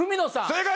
正解！